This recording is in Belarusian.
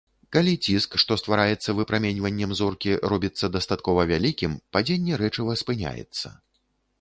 Калі ціск, што ствараецца выпраменьваннем зоркі, робіцца дастаткова вялікім, падзенне рэчыва спыняецца.